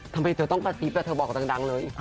ทำไมเธอต้องกระซิบเธอบอกดังเลย